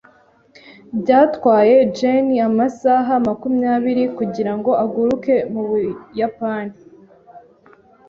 Byatwaye Jane amasaha makumyabiri kugirango aguruke mu Buyapani.